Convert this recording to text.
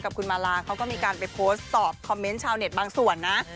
กับคุณมาลาเขาก็มีการไปโพสต์ตอบคอมเมนต์ชาวเน็ตบางส่วนนะ